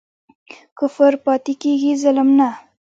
کفر پاتی کیږي ظلم نه